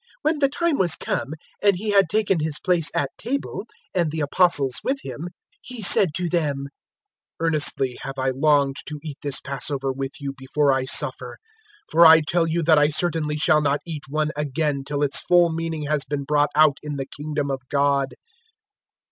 022:014 When the time was come, and He had taken His place at table, and the Apostles with Him, 022:015 He said to them, "Earnestly have I longed to eat this Passover with you before I suffer; 022:016 for I tell you that I certainly shall not eat one again till its full meaning has been brought out in the Kingdom of God."